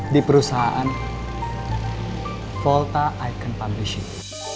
di perusahaan volta icon publiship